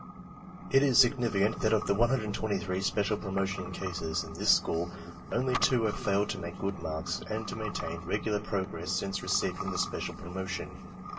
It is significant that of the 133 special promotion cases in this school, only two have failed to make good marks and to maintain regular progress since receiving the special promotion.